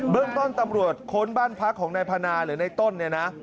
เรื่องต้นตำรวจค้นบ้านพักของนายพนาหรือในต้นเนี่ยนะ